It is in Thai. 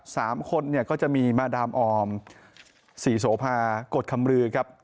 สามคนเนี่ยก็จะมีมาดามออมศรีโสภากฎคำรือครับ